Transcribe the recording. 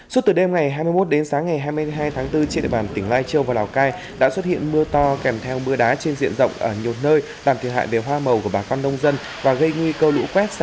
chiều tối ngày hai mươi một và dạng sáng ngày hai mươi hai tháng bốn mưa đá và gió lốc tiếp tục xuất hiện tại các tỉnh quảng ninh bị ngập cục bộ